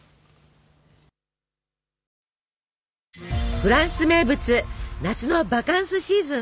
フランス名物夏のバカンスシーズン。